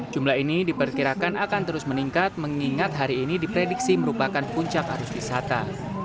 jumlah ini diperkirakan akan terus meningkat mengingat hari ini diprediksi merupakan puncak arus wisata